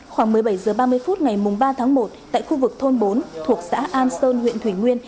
khoảng một mươi bảy h ba mươi phút ngày ba tháng một tại khu vực thôn bốn thuộc xã an sơn huyện thủy nguyên